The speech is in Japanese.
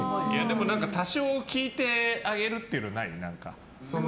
多少聞いてあげるというのない？